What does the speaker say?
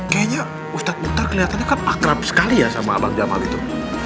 kayaknya ustadz mukhtar kelihatannya kan akrab sekali ya sama abang jamal itu